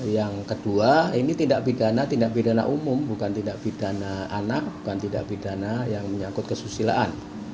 yang kedua ini tidak pidana tidak pidana umum bukan tidak pidana anak bukan tidak pidana yang menyangkut kesusilaan